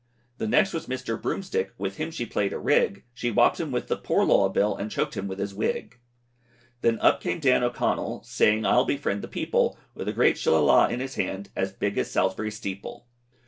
The next was Mr. Broomstick, With him she play'd a rig, She wopped him with the Poor Law Bill, And choked him with his wig. Then up came Dan O'Connel, Saying I'll befriend the people, With a great Shillalah in his hand, As big as Salsbury steeple.